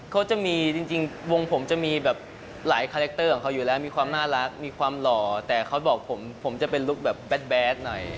เขาจะมีจริงวงผมจะมีแบบหลายคาแรคเตอร์ของเขาอยู่แล้วมีความน่ารักมีความหล่อแต่เขาบอกผมจะเป็นลุคแบบแดดหน่อย